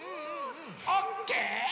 オッケー？